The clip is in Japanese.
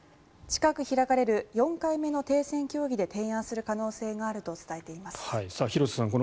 近く開かれる４回目の停戦協議で提案する可能性があると廣瀬さん